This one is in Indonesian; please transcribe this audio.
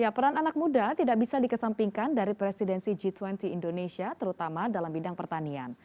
peran anak muda tidak bisa dikesampingkan dari presidensi g dua puluh indonesia terutama dalam bidang pertanian